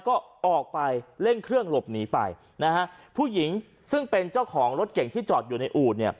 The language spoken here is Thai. ก็ออกไปเร่งเครื่องหลบหนีไปนะฮะผู้หญิงซึ่งเป็นเจ้าของรถเก่งที่จอดอยู่ในอู่เนี่ย